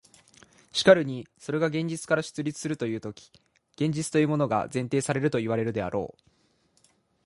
しかるにそれが現実から出立するというとき、現実というものが前提されるといわれるであろう。